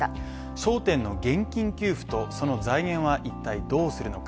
焦点の現金給付とその財源はどうするのか？